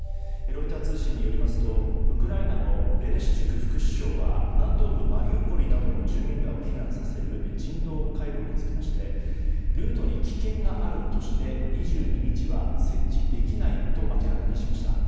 ロイター通信によりますとウクライナのベレシュチュク副首相は南東部マリウポリなどの住民らを避難させる人道回廊につきましてルートに危険があるとして２２日は設置できないと明らかにしました。